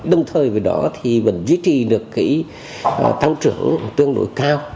đồng thời với đó thì vẫn duy trì được cái tăng trưởng tương đối cao